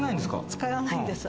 使われないんです。